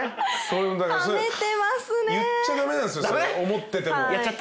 思ってても。